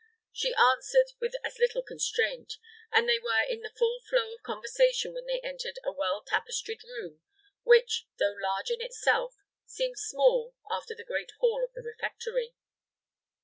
She answered with as little constraint; and they were in the full flow of conversation when they entered a well tapestried room, which, though large in itself, seemed small after the great hall of the refectory.